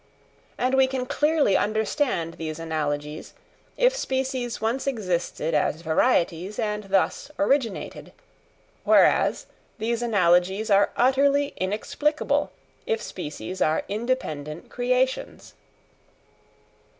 And we can clearly understand these analogies, if species once existed as varieties, and thus originated; whereas, these analogies are utterly inexplicable if species are independent creations.